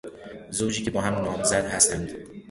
زوجی که با هم نامزد هستند